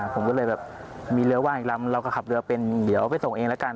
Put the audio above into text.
ผมก็เลยแบบมีเรือว่างอีกลำเราก็ขับเรือเป็นเดี๋ยวไปส่งเองแล้วกัน